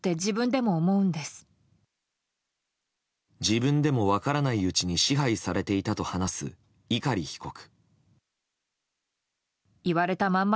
自分でも分からないうちに支配されていたと話す碇被告。